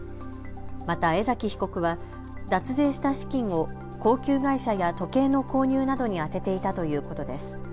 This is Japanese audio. また江崎被告は脱税した資金を高級外車や時計の購入などに充てていたということです。